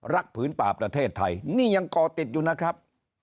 ผืนป่าประเทศไทยนี่ยังก่อติดอยู่นะครับ